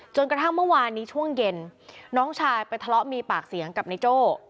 จนกระทั่งเมื่อวานนี้ช่วงเย็นน้องชายไปทะเลาะมีปากเสียงกับนายโจ้